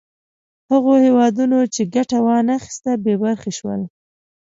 هغو هېوادونو چې ګټه وا نه خیسته بې برخې شول.